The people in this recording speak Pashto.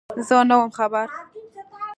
_زه نه وم خبر.